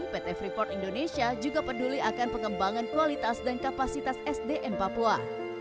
pt freeport indonesia juga peduli akan pengembangan kualitas dan kapasitas sdm papua